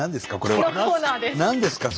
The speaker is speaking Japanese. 何ですか？